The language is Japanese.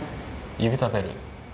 指食べる？